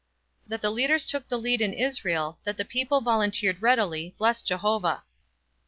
That the leaders took the lead in Israel, That the people volunteered readily, Bless Jehovah!